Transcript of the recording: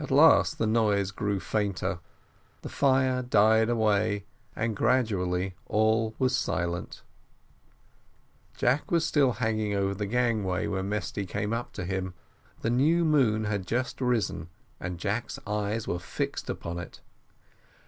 At last the noise grew fainter, the fire died away, and gradually all was silent. Jack was still hanging over the gangway when Mesty came up to him. The new moon had just risen, and Jack's eyes were fixed upon it.